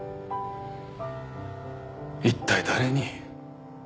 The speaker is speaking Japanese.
一体誰に？